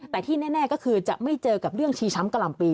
แต่ที่แน่ก็คือจะไม่เจอกับเรื่องชีช้ำกะห่ำปี